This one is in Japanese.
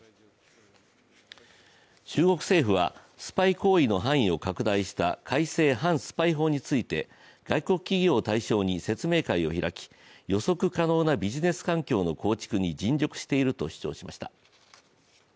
中国政府はスパイ行為の範囲を拡大した改正反スパイ法について外国企業を対象に説明会を開き予測可能なビジネス環境の構築に尽力していると主張しました。